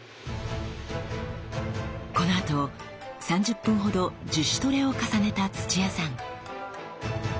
このあと３０分ほど自主トレを重ねた土屋さん。